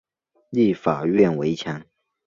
立法院围墙